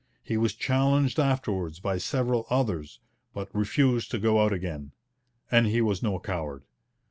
He was challenged afterwards by several others, but refused to go out again. And he was no coward.